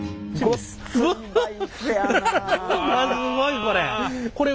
わっすごいこれ。